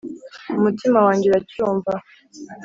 umutima wanjye uracyumva.